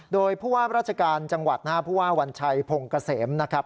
โดยผู้ว่าราชการจังหวัดนะครับผู้ว่าวัญชัยพงเกษมนะครับ